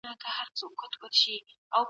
ایا مسلکي بڼوال وچ زردالو پلوري؟